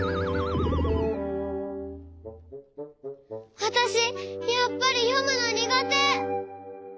わたしやっぱりよむのにがて。